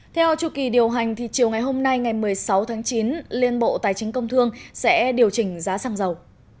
theo chủ kỳ điều hành thì chiều ngày hôm nay ngày một mươi sáu tháng chín liên bộ tài chính công thương sẽ điều chỉnh giá xăng dầu